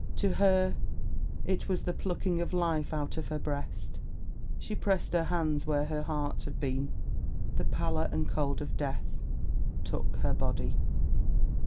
To her it was the plucking of life out of her breast. She pressed her hands where heart had been. The pallor and cold of death took her body.